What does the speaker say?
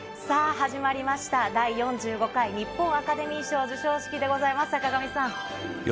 さあ、始まりました、第４５回日本アカデミー賞授賞式でございます。